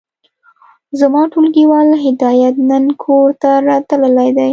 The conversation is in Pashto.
زما ټولګيوال هدايت نن کورته تللی دی.